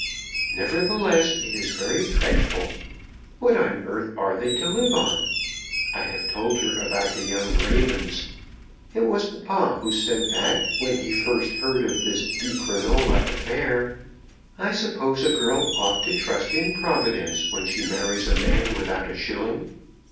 Nevertheless, it is very dreadful. What on earth are they to live on? I have told her about the young ravens. It was papa who said that when he first heard of this Di Crinola affair. I suppose a girl ought to trust in Providence when she marries a man without a shilling.